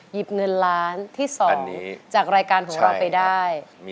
หยิบเงินล้านที่๒จากรายการของเราไปได้